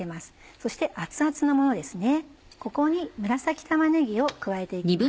そして熱々のままここに紫玉ねぎを加えて行きます。